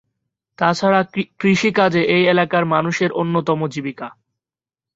তাছাড়া কৃষিকাজ এই এলাকার মানুষের অন্যতম জীবিকা।